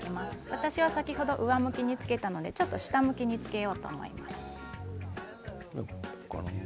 私は先ほど上向きにつけましたので下向きにつけようと思います。